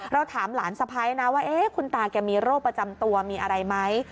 เราถามหลานสะพ้ายนะว่าคุณตาแกมีโรคประจำตัวมีอะไรไหม